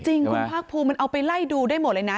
จริงคุณภาคภูมิมันเอาไปไล่ดูได้หมดเลยนะ